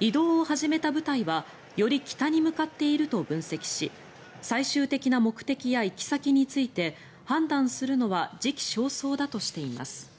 移動を始めた部隊はより北に向かっていると分析し最終的な目的や行き先について判断するのは時期尚早だとしています。